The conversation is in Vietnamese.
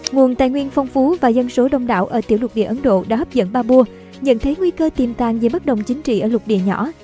nguồn tài nguyên phong phú và dân số đông đảo ở tiểu lục địa ấn độ đã hấp dẫn babur nhận thấy nguy cơ tiềm tàn dưới bất đồng chính trị ở lục địa nhỏ